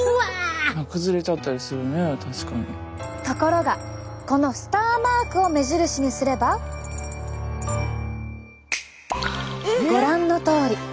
ところがこのスターマークを目印にすればご覧のとおり。